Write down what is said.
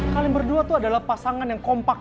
kalian berdua tuh adalah pasangan yang kompak